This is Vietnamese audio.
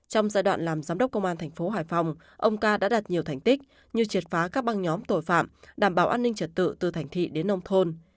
trong giai đoạn làm giám đốc công an thành phố hải phòng ông ca đã đạt nhiều thành tích như triệt phá các băng nhóm tội phạm đảm bảo an ninh trật tự từ thành thị đến nông thôn